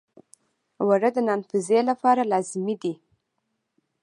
اوړه د نان پزی لپاره لازمي دي